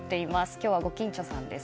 今日はご近所さんです。